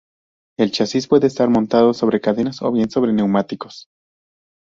El chasis puede estar montado sobre cadenas o bien sobre neumáticos.